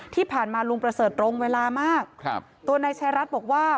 ที่ผ่านมาลุงประเสริฐตรงเวลามากครับตัวนายชายรัฐบอกว่า